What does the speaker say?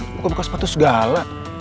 buka buka sepatu segala